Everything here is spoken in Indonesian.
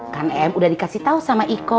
kan m udah dikasih tau sama iko